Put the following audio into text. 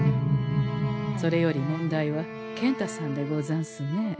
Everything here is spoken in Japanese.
それより問題は健太さんでござんすね。